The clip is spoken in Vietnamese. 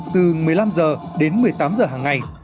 từ một mươi năm h đến một mươi tám h hàng ngày